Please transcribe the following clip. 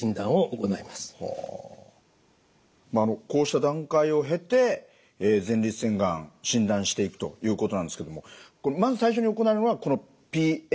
こうした段階を経て前立腺がん診断していくということなんですけどもまず最初に行われるのはこのＰＳＡ検査ですね。